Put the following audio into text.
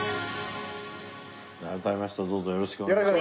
改めましてどうぞよろしくお願いします。